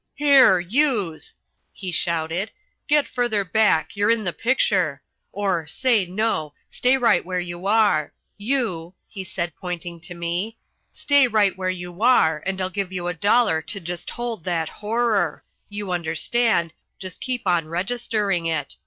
"Here, youse," he shouted, "get further back, you're in the picture. Or, say, no, stay right where you are. You," he said, pointing to me, "stay right where you are and I'll give you a dollar to just hold that horror; you understand, just keep on registering it.